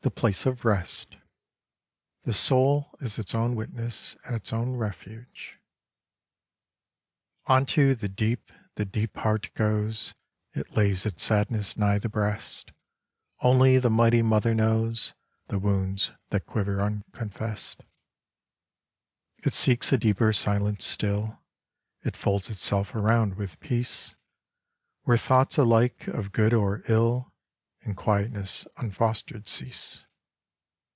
pace at The soul is its own witness and its own refuge UNTO the deep the deep heart goes, It lays its sadness nigh the breast : Only the Mighty Mother knows The wounds that quiver unconfessed. It seeks a deeper silence still ; It folds itself around with peace, Where thoughts alike of good or ill In quietness unfostered cease.